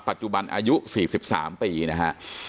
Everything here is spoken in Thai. ปัจจุบันอายุ๔๓ปีนะฮะ